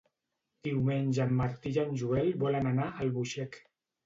Diumenge en Martí i en Joel volen anar a Albuixec.